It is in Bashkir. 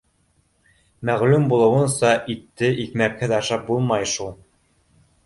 Мәғлүм булыуынса, итте икмәкһеҙ ашап булмай, шулай